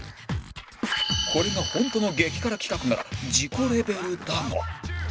これがホントの激辛企画なら事故レベルだが